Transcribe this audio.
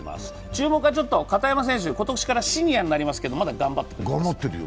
注目は片山選手、今年からシニアになりますけど頑張っています。